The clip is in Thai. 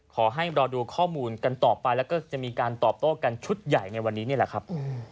ขอให้รอดูข้อมูลกันต่อไปแล้วก็จะมีการตอบโต้กันชุดใหญ่ในวันนี้นี่แหละครับ